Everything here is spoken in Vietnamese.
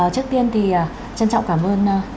trước tiên thì trân trọng cảm ơn